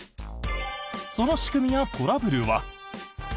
その仕組みやトラブルは？